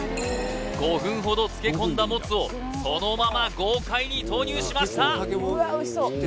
５分ほど漬け込んだもつをそのまま豪快に投入しました！